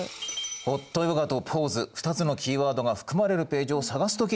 「ホットヨガ」と「ポーズ」２つのキーワードが含まれるページを探す時